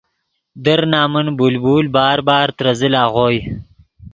در نمن بلبل بار بار ترے زل اغوئے